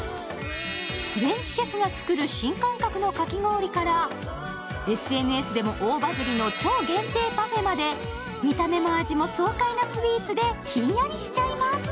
フレンチシェフが作る新感覚のかき氷からＳＮＳでも大バズりの超限定パフェまで見た目も味も爽快なスイーツでひんやりしちゃいます！